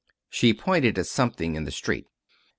She pointed at something in the street.